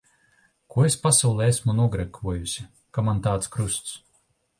Ko es pasaulē esmu nogrēkojusi, ka man tāds krusts.